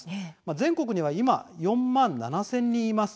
全国には今４万７０００人います。